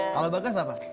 kalau bagas apa